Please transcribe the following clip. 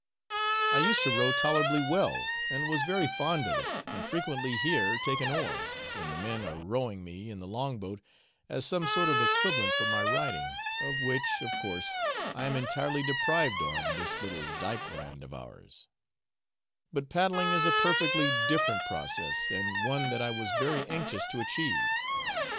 I used to row tolerably well, and was very fond of it, and frequently here take an oar, when the men are rowing me in the long boat, as some sort of equivalent for my riding, of which, of course, I am entirely deprived on this little dykeland of ours; but paddling is a perfectly different process, and one that I was very anxious to achieve.